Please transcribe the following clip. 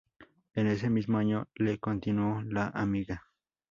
En ese mismo año le continuó "La amiga".